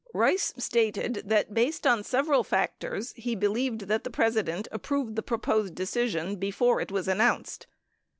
22 Rice stated that based on several factors he believed that the Presi dent approved the proposed decision before it was announced.